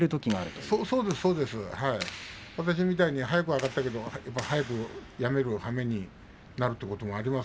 そうです、私みたいに早く上がったけど早くやめるはめになることもありますし。